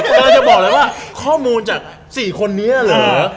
ก็จะบอกเลยว่าข้อมูลจากสี่คนนี้เหรอ